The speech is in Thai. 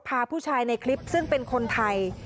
พาผู้ชายในคลิปซึ่งเป็นคนไทย